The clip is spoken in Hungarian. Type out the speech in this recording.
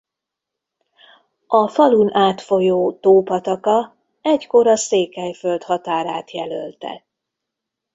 A falun átfolyó Tó-pataka egykor a Székelyföld határát jelölte.